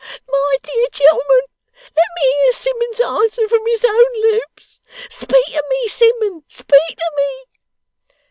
dear gentlemen, let me hear Simmuns's answer from his own lips. Speak to me, Simmun. Speak to me!